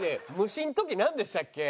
虫の時なんでしたっけ？